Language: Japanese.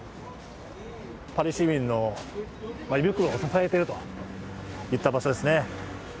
パリ市民の胃袋を支えているといった場所ですね。